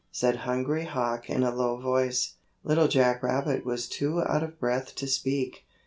'" said Hungry Hawk in a low voice. Little Jack Rabbit was too out of breath to speak.